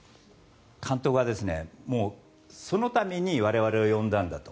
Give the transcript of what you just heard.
監督はそのために我々を呼んだんだと。